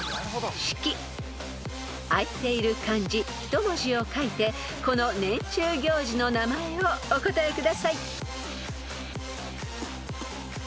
［あいている漢字一文字を書いてこの年中行事の名前をお答えください］